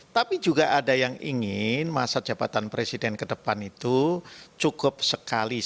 tapi juga ada yang ingin masa jabatan presiden ke depan itu cukup sekali